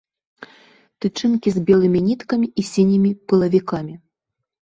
Тычынкі з белымі ніткамі і сінімі пылавікамі.